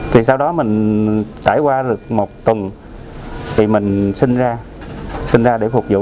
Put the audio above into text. thì sau đó mình trải qua được một tuần thì mình sinh ra sinh ra để phục vụ